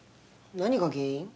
何が原因？